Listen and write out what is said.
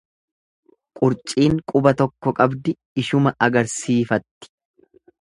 Qurciin quba tokko qabdi ishuma agarsiifatti.